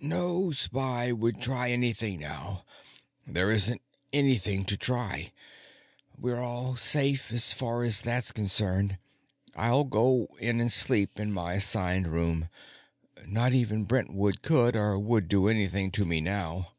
"No spy would try anything now. There isn't anything to try. We're all safe, as far as that's concerned. I'll go in and sleep in my assigned room. Not even Brentwood could or would do anything to me now."